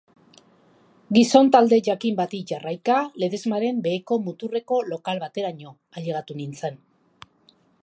Gizon talde jakin bati jarraika Ledesmaren beheko muturreko lokal bateraino ailegatu nintzen.